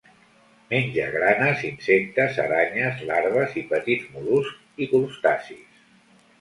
Menja granes, insectes, aranyes, larves i petits mol·luscs i crustacis.